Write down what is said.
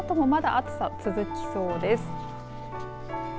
このあともまだ暑さ続きそうです。